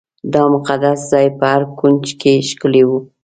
دا مقدس ځای په هر کونج کې ښکلی و.